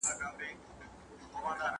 د ماشومانو مړینه څنګه کمه کیدلای سي؟